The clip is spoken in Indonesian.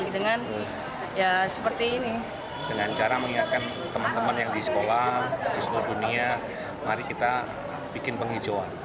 dengan cara mengingatkan teman teman yang di sekolah di seluruh dunia mari kita bikin penghijauan